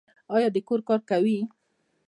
ایا د کور کار کوي؟